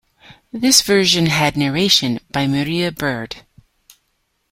This version had narration by Maria Bird.